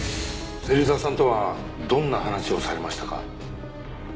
芹沢さんとはどんな話をされましたか？